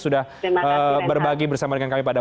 sudah berbagi bersama dengan kami pada